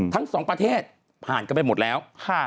ทั้ง๒ประเทศผ่านไปหมดแล้ว